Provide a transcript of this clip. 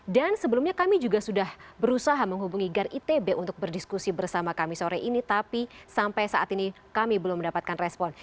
dan sebelumnya kami juga sudah berusaha menghubungi gar itb untuk berdiskusi bersama kami sore ini tapi sampai saat ini kami belum mendapatkan respon